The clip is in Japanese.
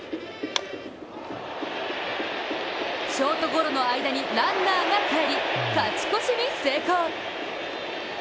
ショートゴロの間にランナーが帰り勝ち越しに成功。